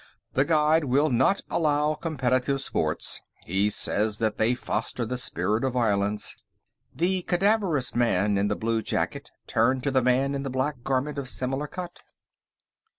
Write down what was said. The Guide will not allow competitive sports; he says that they foster the spirit of violence...." The cadaverous man in the blue jacket turned to the man in the black garment of similar cut.